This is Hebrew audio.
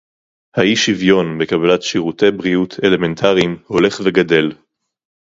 האי-שוויון בקבלת שירותי בריאות אלמנטריים הולך וגדל